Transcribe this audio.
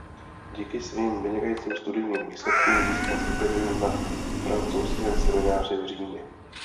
Díky svým vynikajícím studijním výsledkům získal stipendium na Francouzském semináři v Římě.